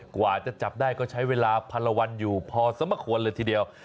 กว่าจะจับได้ก็ใช้เวลาพันละวันอยู่พอสมควรเลยทีเดียว